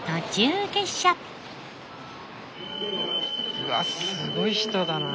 うわすごい人だな。